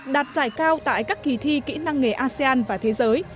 đạt giải cao tại các kỳ thi kỹ năng nghề asean và thế giới